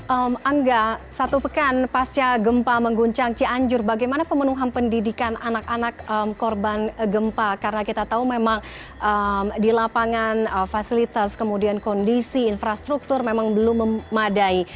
angga satu pekan pasca gempa mengguncang cianjur bagaimana pemenuhan pendidikan anak anak korban gempa karena kita tahu memang di lapangan fasilitas kemudian kondisi infrastruktur memang belum memadai